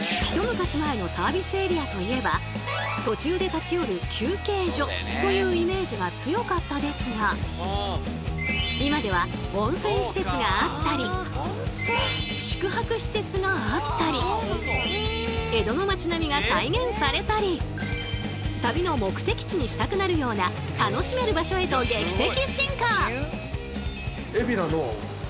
途中で立ち寄る休憩所というイメージが強かったですが今では温泉施設があったり宿泊施設があったり江戸の街並みが再現されたり旅の目的地にしたくなるような楽しめる場所へと劇的進化！